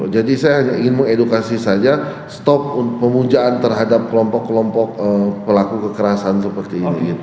jadi saya ingin mengedukasi saja stop pemujaan terhadap kelompok kelompok pelaku kekerasan seperti ini